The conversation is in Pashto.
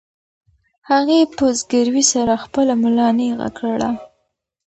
هغې په زګیروي سره خپله ملا نېغه کړه.